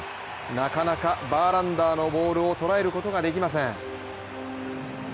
なかなかバーランダーのボールを捉えることができません。